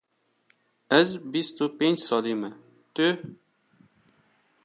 Ez bîst û pênc salî me, tu?